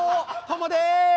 トモです！